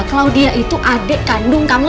claudia itu adik kandung kamu